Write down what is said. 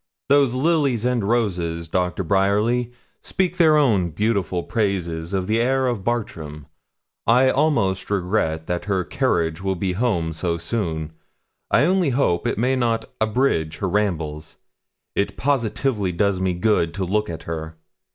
Those lilies and roses, Doctor Bryerly, speak their own beautiful praises of the air of Bartram. I almost regret that her carriage will be home so soon. I only hope it may not abridge her rambles. It positively does me good to look at her.